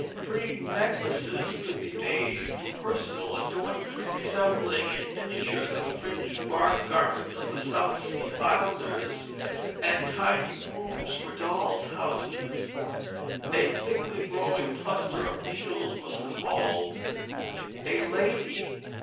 Pretty necklaces could be made for personal adornment, resembling in miniature the fringed bark garments of the South Sea Islanders, and tiny brooms for dolls' houses. A thickly growing cluster of needles was called "a lady."